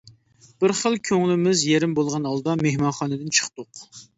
بىر خىل كۆڭلىمىز يېرىم بولغان ھالدا مېھمانخانىدىن چىقتۇق.